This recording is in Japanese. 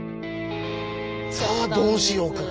「さあどうしようか」か。